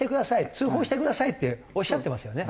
「通報してください」っておっしゃってますよね。